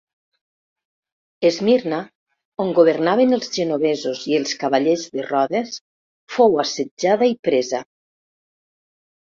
Esmirna, on governaven els genovesos i els Cavallers de Rodes fou assetjada i presa.